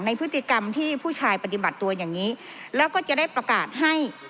พฤติกรรมที่ผู้ชายปฏิบัติตัวอย่างนี้แล้วก็จะได้ประกาศให้